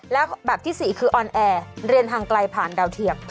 แล้วแบบที่๔คือออนแอร์เรียนทางไกลผ่านดาวเทียม